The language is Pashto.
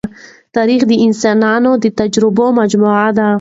تاریخ د انسانانو د تجربو مجموعه ده.